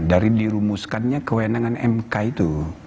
dari dirumuskannya kewenangan mk itu